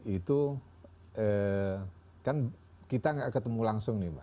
itu kan kita gak ketemu langsung nih